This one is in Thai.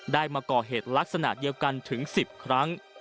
มาก่อเหตุลักษณะเดียวกันถึง๑๐ครั้ง